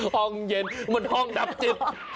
ห้องเย็นมันห้องดับจิต